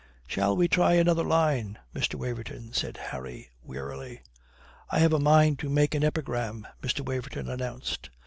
"Shall we try another line, Mr. Waverton?" said Harry wearily. "I have a mind to make an epigram," Mr. Waverton announced.